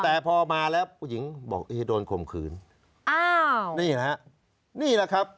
แต่พอมาแล้วผู้หญิงบอกเอ๊โดนข่มขืนอ้าวนี่แหละฮะนี่แหละครับ